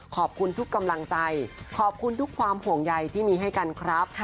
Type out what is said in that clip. ขอบคุณทุกกำลังใจขอบคุณทุกความห่วงใยที่มีให้กันครับ